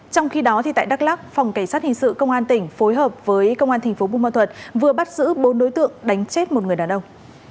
trong khi đó tại đắk lắk phòng cảnh sát hình sự công an tỉnh phối hợp với công an tp bun ma thuật vừa bắt giữ bốn đối tượng đánh chết một người đàn ông